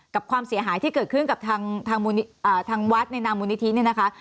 กับความเสียหายที่เกิดขึ้นกับทางทางอ่าทางวัดในนามมูลนิธินี่นะคะ